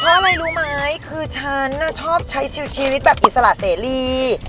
เพราะอะไรรู้ไหมคือฉันชอบใช้ชีวิตแบบอิสระเสรี